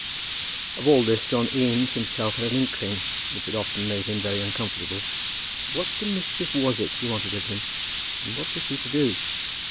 Of all this John Eames himself had an inkling which had often made him very uncomfortable. What the mischief was it she wanted of him; and what was he to do?